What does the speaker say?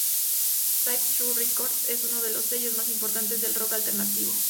Drive-Thru Records es uno de los sellos más importantes del rock alternativo.